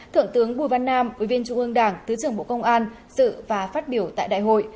thượng tướng bùi văn nam ủy viên trung ương đảng thứ trưởng bộ công an sự và phát biểu tại đại hội